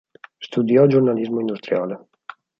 Studiò giornalismo industriale.